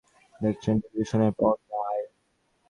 Putin Spain রাশিয়ার ম্যাচটি দেখেছেন টেলিভিশনের পর্দায়।